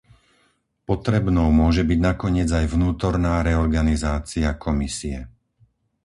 Potrebnou môže byť nakoniec aj vnútorná reorganizácia Komisie.